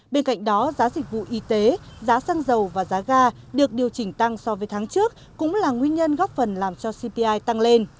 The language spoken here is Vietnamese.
bên cạnh đó giá dịch vụ y tế giá xăng dầu và giá ga được điều chỉnh tăng so với tháng trước cũng là nguyên nhân góp phần làm cho cpi tăng lên